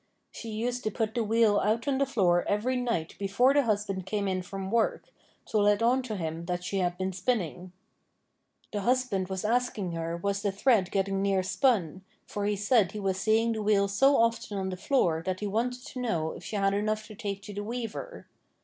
She used to put the wheel out on the floor every night before the husband came in from work, to let on to him that she had been spinning. The husband was asking her was the thread getting near spun, for he said he was seeing the wheel so often on the floor that he wanted to know if she had enough to take to the weaver.